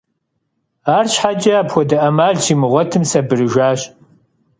Arşheç'e apxuede 'emal şimığuetım, sabırıjjaş.